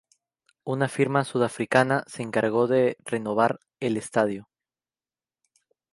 Una Firma Sudafricana se encargo de renovar el estadio.